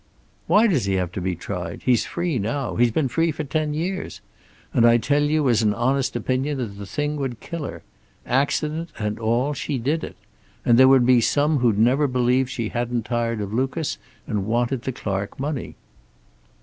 "Why does he have to be tried? He's free now. He's been free for ten years. And I tell you as an honest opinion that the thing would kill her. Accident and all, she did it. And there would be some who'd never believe she hadn't tired of Lucas, and wanted the Clark money."